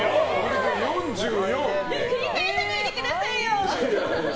繰り返さないでくださいよ！